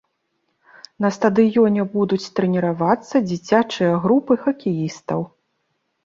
На стадыёне будуць трэніравацца дзіцячыя групы хакеістаў.